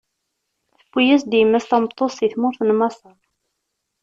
Tewwi-as-d yemma-s tameṭṭut si tmurt n Maṣer.